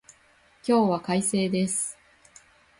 今日は快晴です。